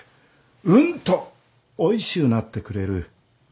うんとおいしゅうなってくれる。